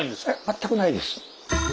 全くないです。